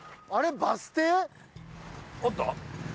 あれバス停？あった？